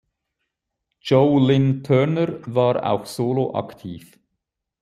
Joe Lynn Turner war auch solo aktiv.